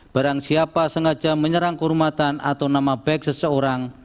barang siapa sengaja menyerang kehormatan atau nama baik seseorang